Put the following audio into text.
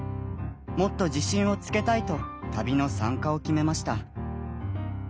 もっと自信をつけたいと旅の参加を決めました。